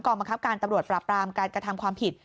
บังคับการตำรวจปราบรามการกระทำความผิด